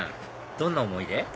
どんな思い出？